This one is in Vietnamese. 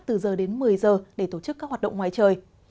từ giờ đến một mươi giờ để tổ chức các hoạt động ngoài trời